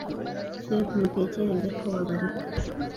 Fp mutekereze ko babaruta